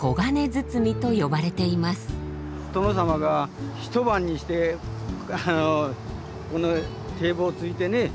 殿様が一晩にしてこの堤防をついてね